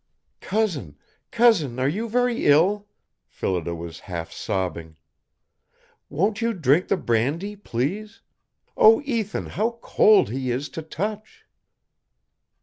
_" "Cousin, Cousin, are you very ill?" Phillida was half sobbing. "Won't you drink the brandy, please? Oh, Ethan, how cold he is to touch!"